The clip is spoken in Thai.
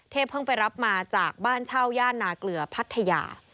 เพิ่งไปรับมาจากบ้านเช่าย่านนาเกลือพัทยา